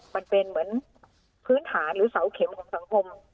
มันเป็นเหมือนพื้นฐานหรือเสาเข็มของสังคม